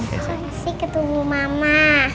makasih ketemu mama